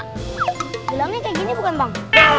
bilangnya kayak gini bukan bang